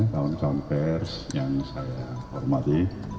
kawan kawan pers yang saya hormati